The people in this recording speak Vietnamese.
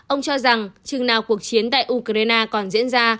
ông cho rằng chừng nào cuộc chiến tại ukraine còn diễn ra